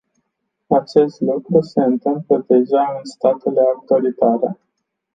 Acest lucru se întâmplă deja în statele autoritare.